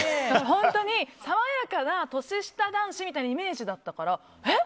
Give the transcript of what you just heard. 本当に爽やかな年下男子みたいなイメージだったからえっ？